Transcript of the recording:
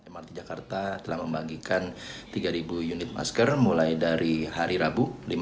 mrt jakarta telah membagikan tiga unit masker mulai dari hari rabu